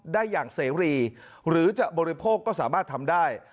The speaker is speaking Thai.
ได้อย่างเสรีหรือจะบริโภคก็สามารถทำได้